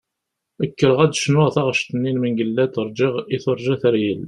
Kkreɣ ad d-cnuɣ taɣect-nni n Mengellat "Rğiɣ i turğa teryel".